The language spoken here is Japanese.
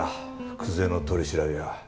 久瀬の取り調べは。